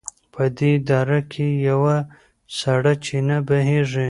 په دې دره کې یوه سړه چینه بهېږي.